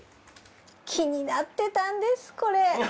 気になってたんですこれ。